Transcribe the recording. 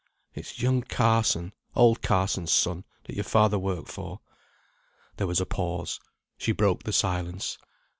"It's young Carson, old Carson's son, that your father worked for." There was a pause. She broke the silence.